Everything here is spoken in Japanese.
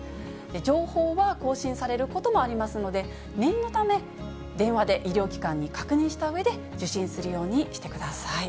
情報は更新されることもありますので、念のため、電話で医療機関に確認したうえで受診するようにしてください。